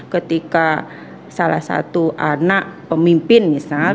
ketika salah satu anak pemimpin misalnya